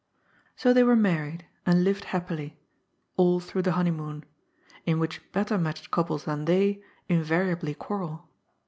So they were married, and lived happily— all through the honeymoon, in which better matched couples than they invariably quarrel.